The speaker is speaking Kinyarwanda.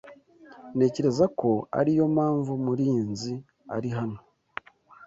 Ntekereza ko ariyo mpamvu Murinzi ari hano.